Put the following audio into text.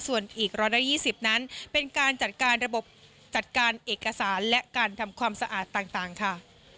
ส่วนอีก๑๒๐นั้นเป็นการจัดการระบบจัดการเอกสารและการทำความสะอาดต่างค่ะ